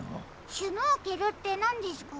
シュノーケルってなんですか？